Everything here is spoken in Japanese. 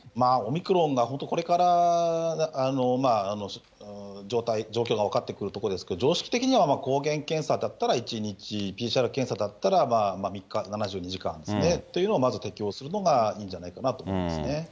オミクロンが本当、これから状況が分かってくるとこですけど、常識的には抗原検査だったら１日、ＰＣＲ検査だったら３日、７２時間ですね、というのをまず適用するのがいいんじゃないかと思いますね。